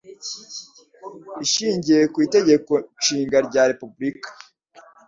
ishingiye kw itegeko nshinga rya repubulika